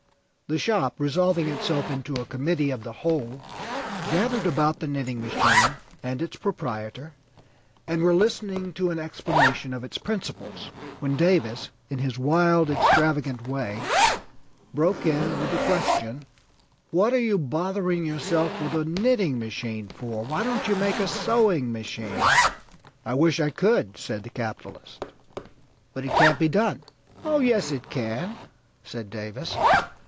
The shop, resolving itself into a committee of the whole, gathered about the knitting machine and its proprietor, and were listening to an explanation of its principles, when Davis, in his wild, extravagant way, broke in with the question: 'What are you bothering yourself with a knitting machine for? Why don't you make a sewing machine?' 'I wish I could,' said the capitalist, 'but it can't be done,' 'Oh, yes, it can,' said Davis.